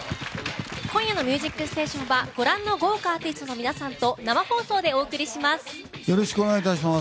今夜の「ミュージックステーション」はご覧の豪華アーティストの皆さんと生放送でお送りします。